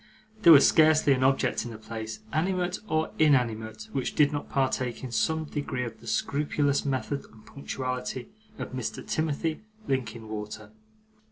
There was scarcely an object in the place, animate or inanimate, which did not partake in some degree of the scrupulous method and punctuality of Mr. Timothy Linkinwater.